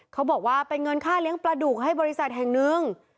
เขาบอกว่าเป็นเงินค่าเลี้ยงปลาดุกให้บริษัทแห่งหนึ่ง